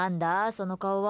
その顔は。